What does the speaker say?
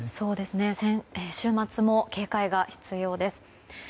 週末も警戒が必要です。